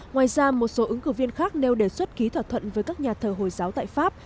ngoài ra một số ứng cử viên khác nêu đề xuất ký thỏa thuận với các nhà thờ hồi giáo tại pháp